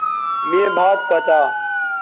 مے بھات پڅا